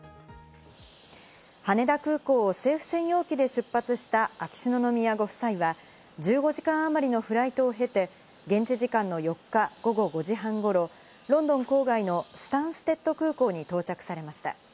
羽田空港を政府専用機で出発した秋篠宮ご夫妻は、１５時間あまりのフライトを経て、現地時間の４日、午後５時半頃、ロンドン郊外のスタンステッド空港に到着されました。